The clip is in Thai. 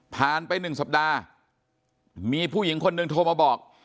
ไป๑สัปดาห์มีผู้หญิงคนหนึ่งโทรมาบอก